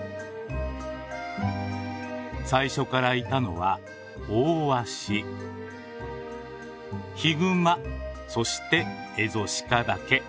最初からいたのはオオワシヒグマそしてエゾシカだけ。